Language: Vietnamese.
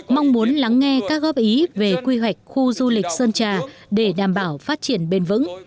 mong muốn lắng nghe các góp ý về quy hoạch khu du lịch sơn trà để đảm bảo phát triển bền vững